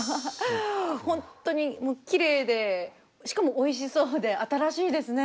本当にきれいでしかもおいしそうで新しいですね。